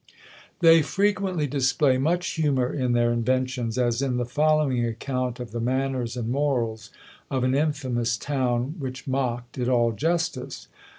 They frequently display much humour in their inventions, as in the following account of the manners and morals of an infamous town, which mocked at all justice.